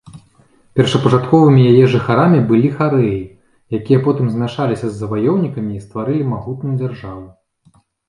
Першапачатковымі яе жыхарамі былі харэі, якія потым змяшаліся з заваёўнікамі і стварылі магутную дзяржаву.